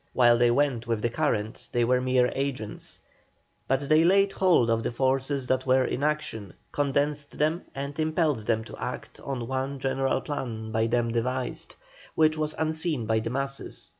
While they went with the current they were mere agents, but they laid hold of the forces that were in action, condensed them, and impelled them to act on one general plan by them devised, which was unseen by the masses.